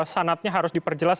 sanatnya harus diperjelas